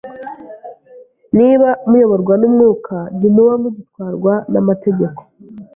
Niba muyoborwa n'Umwuka, ntimuba mugitwarwa n'amategeko